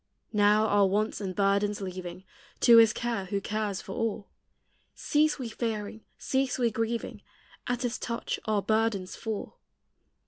Now, our wants and burdens leaving To his care who cares for all, Cease we fearing, cease we grieving; At his touch our burdens fall.